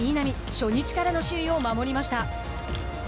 初日からの首位を守りました。